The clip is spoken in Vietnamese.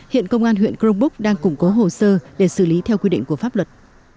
hiện công an huyện cronbrook đang củng cố hồ sơ để xử lý theo quy định của pháp luật